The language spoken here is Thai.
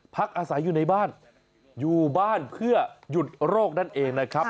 พักอาศัยอยู่ในบ้านอยู่บ้านเพื่อหยุดโรคนั่นเองนะครับ